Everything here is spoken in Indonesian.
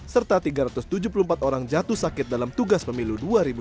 serta tiga ratus tujuh puluh empat orang jatuh sakit dalam tugas pemilu dua ribu sembilan belas